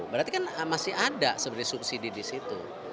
berarti kan masih ada sebenarnya subsidi di situ